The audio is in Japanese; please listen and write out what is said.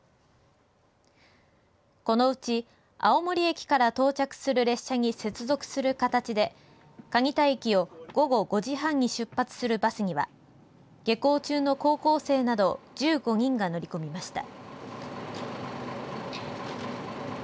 このうち青森駅から到着する列車に接続する形で蟹田駅を午後５時半に出発するバスには下校中の高校生など１５人が乗り込みました。